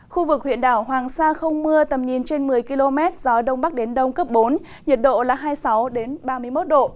khu vực huyện đảo hoàng sa không mưa tầm nhìn trên một mươi km gió đông bắc đến đông cấp bốn nhiệt độ là hai mươi sáu ba mươi một độ